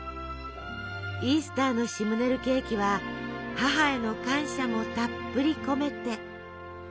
イースターのシムネルケーキは母への感謝もたっぷり込めて。